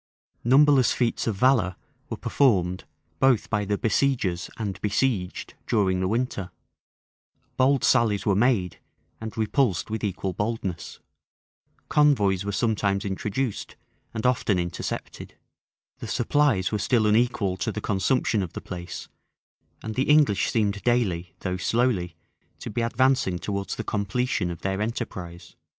Numberless feats of valor were performed both by the besiegers and besieged during the winter: bold sallies were made, and repulsed with equal boldness: convoys were sometimes introduced, and often intercepted: the supplies were still unequal to the consumption of the place: and the English seemed daily, though slowly, to be advancing towards the completion of their enterprise.